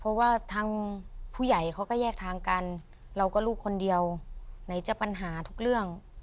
เพราะว่าทางผู้ใหญ่เขาก็แยกทางกันเราก็ลูกคนเดียวไหนจะปัญหาทุกเรื่อง